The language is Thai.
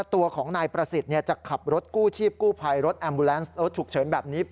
ตัวของนายประสิทธิ์จะขับรถกู้ชีพกู้ภัยรถแอมบูแลนซ์รถฉุกเฉินแบบนี้